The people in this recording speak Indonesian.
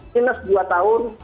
minus dua tahun